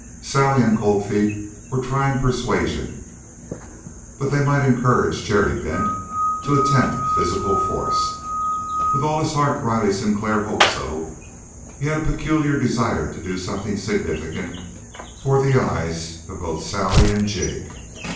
Sally and Cold Feet were trying persuasion, but they might encourage Jerry Bent to attempt physical force. With all his heart Riley Sinclair hoped so. He had a peculiar desire to do something significant for the eyes of both Sally and Jig.